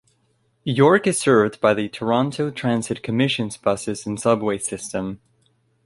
York is served by the Toronto Transit Commission's buses and subway system.